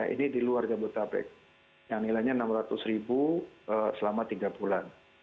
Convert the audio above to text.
ini di luar jabodetabek yang nilainya rp enam ratus selama tiga bulan